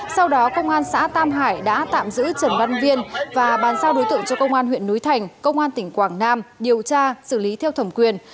sau đó công an xã tam hải đã tạm giữ trần văn viên và bàn giao đối tượng cho công an huyện núi thành công an tỉnh quảng nam điều tra xử lý theo thẩm quyền